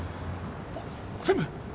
あっ専務。